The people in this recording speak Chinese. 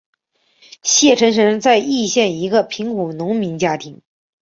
谢臣生在易县一个贫苦农民家庭。